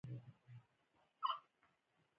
شتمن څوک دی چې د خپل مال ارزښت درک کړي.